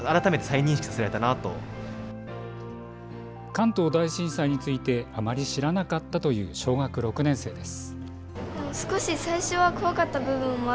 関東大震災についてあまり知らなかったという小学６年生です。